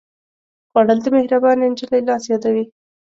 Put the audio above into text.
خوړل د مهربانې نجلۍ لاس یادوي